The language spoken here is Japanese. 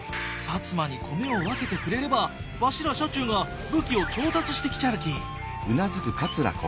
摩に米を分けてくれればわしら社中が武器を調達してきちゃるき。